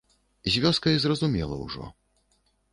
З вёскай зразумела ўжо.